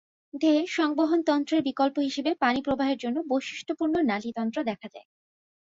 দেহে সংবহনতন্ত্রের বিকল্প হিসেবে পানি প্রবাহের জন্য বৈশিষ্ট্য পূর্ণ নালীতন্ত্র দেখা যায়।